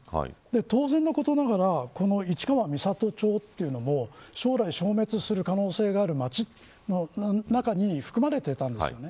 当然のことながら市川三郷町というのも将来、消滅する可能性がある町の中に含まれていたんですよね。